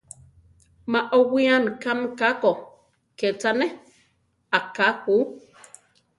Má owiámi kame ká ko, ké cha ne; aká ju.